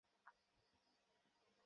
আচ্ছা, আমার একটা অনুরোধ আছে।